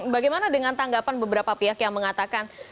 bagaimana dengan tanggapan beberapa pihak yang mengatakan